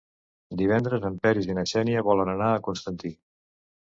Divendres en Peris i na Xènia volen anar a Constantí.